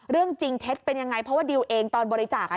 เรื่องจริงเท็จเป็นยังไงเพราะว่าดิวเองตอนบริจาคอ่ะ